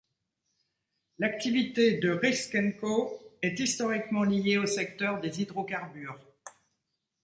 L'activité de Risk&Co est historiquement liée au secteur des hydrocarbures.